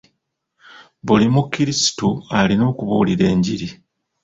Buli mukrisitu alina okubuulira enjiri.